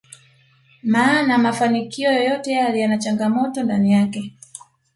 maana mafanikio yoyote yale yana changamoto ndani yake